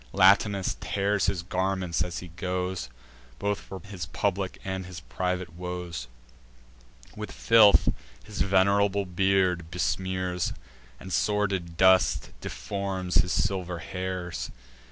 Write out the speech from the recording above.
Latinus tears his garments as he goes, Both for his public and his private woes; With filth his venerable beard besmears, And sordid dust deforms his silver hairs.